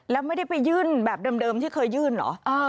แล้วไม่ได้ไปยื่นแบบเดิมที่เคยยื่นเหรอ